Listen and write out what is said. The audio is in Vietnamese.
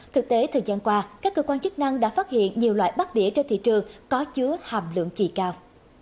thực tế thời gian qua các cơ quan chức năng đã phát hiện nhiều loại bát đĩa trên thị trường có chứa hàm lượng chì cao